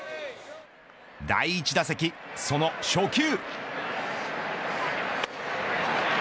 第１打席、その初球。